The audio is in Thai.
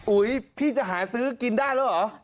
อุ๋ยพี่จะหาซื้อกินได้แล้วเหรอ